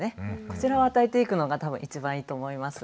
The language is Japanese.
こちらを与えていくのが多分一番いいと思います。